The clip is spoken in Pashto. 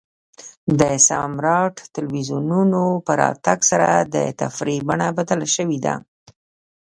د سمارټ ټلویزیونونو په راتګ سره د تفریح بڼه بدله شوې ده.